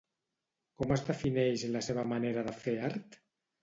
Com es defineix la seva manera de fer art?